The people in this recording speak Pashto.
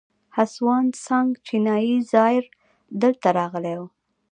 هسوان سانګ چینایي زایر دلته راغلی و